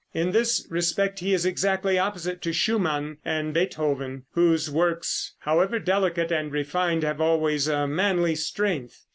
In this respect he is exactly opposite to Schumann and Beethoven, whose works, however delicate and refined, have always a manly strength.